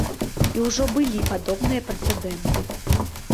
І ўжо былі падобныя прэцэдэнты.